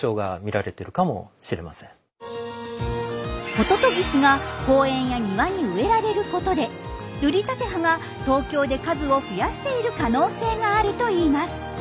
ホトトギスが公園や庭に植えられることでルリタテハが東京で数を増やしている可能性があるといいます。